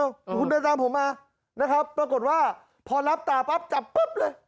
คุณเดินตามผมมานะครับปรากฏว่าพอรับตาปั๊บจับปุ๊บเลย